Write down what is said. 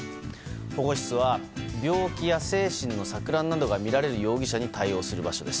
保護室は病気や精神の錯乱などが見られる容疑者に対応する場所です。